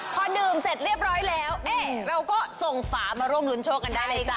พอดื่มเสร็จเรียบร้อยแล้วเราก็ส่งฝามาร่วมรุ้นโชคกันได้เลยจ้